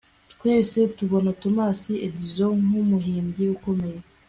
Twese tubona Thomas Edison nkumuhimbyi ukomeye